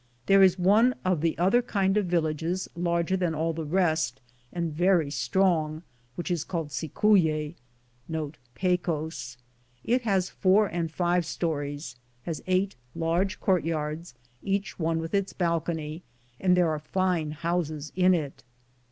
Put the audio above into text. There is one of the other kind of Tillages larger than all the rest, and very strong, which is called Cicuique." It has four and five stories, has eight large court yards, each one with its balcony, and there are fine houses in it.